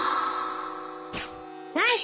ナイス！